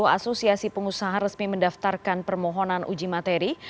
sepuluh asosiasi pengusaha resmi mendaftarkan permohonan uji materi